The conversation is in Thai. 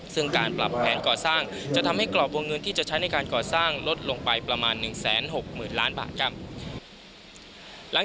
ซึ่งการปรับแผนก่อสร้างจะทำให้กรอบวงเงินที่จะใช้ในการก่อสร้างลดลงไปประมาณ๑๖๐๐๐ล้านบาทครับ